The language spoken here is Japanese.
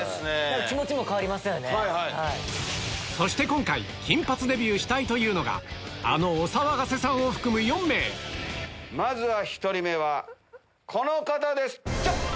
そして今回金髪デビューしたいというのがあのお騒がせさんを含む４名まずは１人目この方です！